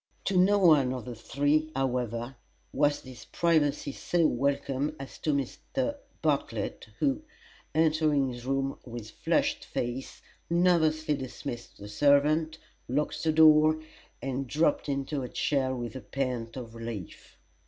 To no one of the three, however, was this privacy so welcome as to Mr. Bartlett, who, entering his room with flushed face, nervously dismissed the servant, locked the door, and dropped into a chair with a pant of relief.